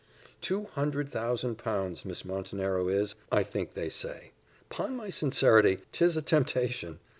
Two hundred thousand pounds, Miss Montenero is, I think they say. 'Pon my sincerity, 'tis a temptation!